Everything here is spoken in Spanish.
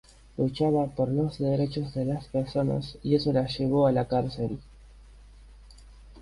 Luchaba por los derechos de las personas, y eso la llevó a la cárcel.